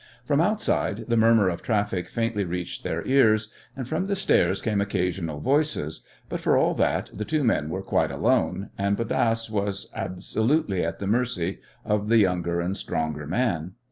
From outside the murmur of traffic faintly reached their ears, and from the stairs came occasional voices, but, for all that, the two men were quite alone, and Bodasse was absolutely at the mercy of the younger and stronger man.